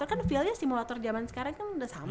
kan feelnya simulator zaman sekarang kan udah sama ya